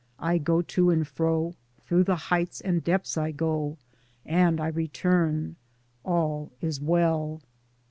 I go to and fro — through the heights and depths I go and I return : All is well.